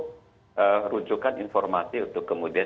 dan membutuhkan informasi untuk kemudian